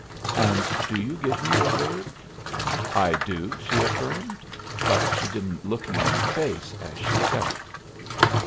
"And do you give me your word?" "I do," she affirmed, but she didn't look me in the face as she said it.